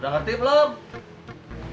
udah ngerti belum